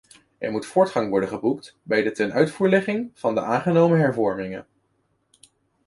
Er moet voortgang worden geboekt bij de tenuitvoerlegging van de aangenomen hervormingen.